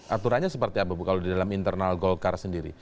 aturannya seperti apa bu kalau di dalam internal golkar sendiri